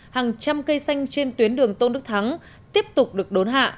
hàng trăm cây xanh trên tuyến đường tôn đức thắng tiếp tục được đốn hạ